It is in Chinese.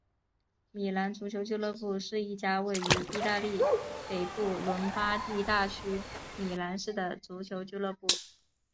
米兰足球俱乐部是一家位于义大利北部伦巴第大区米兰市的足球俱乐部。